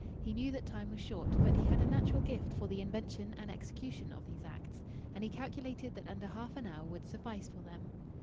He knew that time was short, but he had a natural gift for the invention and execution of these acts, and he calculated that under half an hour would suffice for them.